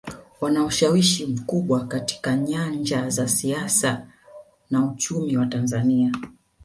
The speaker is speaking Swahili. Wana ushawishi mkubwa katika nyanja za siasa na uchumi wa Tanzania